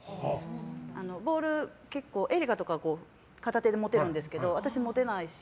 ボール、結構、絵里香とかは片手で持てるんですけど私、持てないし。